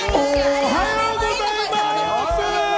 おはようございます！